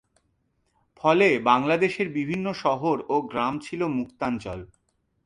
ফলে বাংলাদেশের বিভিন্ন শহর ও গ্রাম ছিল মুক্তাঞ্চল।